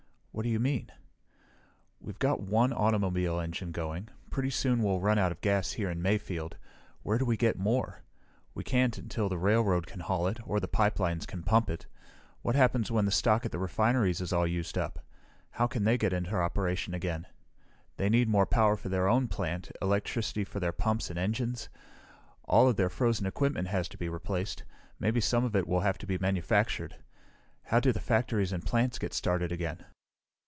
"What do you mean?" "We've got one automobile engine going. Pretty soon we'll run out of gas here in Mayfield. Where do we get more? We can't until the railroad can haul it, or the pipelines can pump it. What happens when the stock at the refineries is all used up? How can they get into operation again? They need power for their own plant, electricity for their pumps and engines. All of their frozen equipment has to be replaced. Maybe some of it will have to be manufactured. How do the factories and plants get started again?"